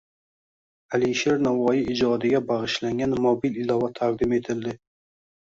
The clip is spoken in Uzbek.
Alisher Navoiy ijodiga bag‘ishlangan mobil ilova taqdim etildi